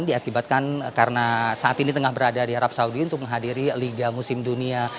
diakibatkan karena saat ini tengah berada di arab saudi untuk menghadiri liga musim dunia